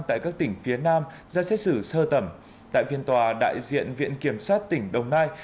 tại các tỉnh phía nam ra xét xử sơ thẩm tại phiên tòa đại diện viện kiểm sát tỉnh đồng nai